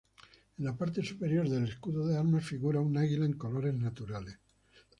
En la parte superior del escudo de armas figura un águila en colores naturales.